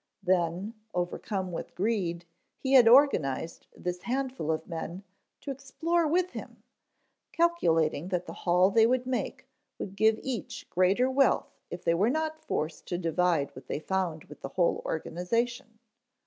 Then, overcome with greed, he had organized this handful of men to explore with him, calculating that the haul they would make would give each greater wealth if they were not forced to divide what they found with the whole organization.